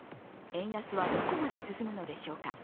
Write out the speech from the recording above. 円安はどこまで進むのでしょうか。